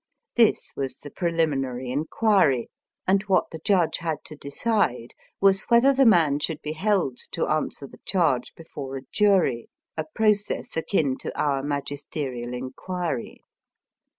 This was the preHminary inquiry, and what the judge had to decide was whether the man should be held to answer the charge before a jury, a process akin to our magisterial inquiry.